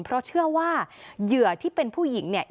เพราะเชื่อว่าเหยื่อที่เป็นผู้หญิงเนี่ย